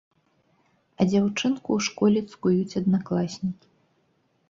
А дзяўчынку ў школе цкуюць аднакласнікі.